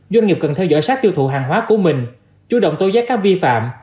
doanh nghiệp cần theo dõi sát tiêu thụ hàng hóa của mình chú động tô giá các vi phạm